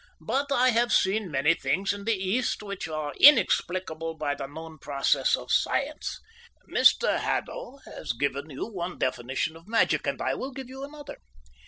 "But I have seen many things in the East which are inexplicable by the known processes of science. Mr Haddo has given you one definition of magic, and I will give you another.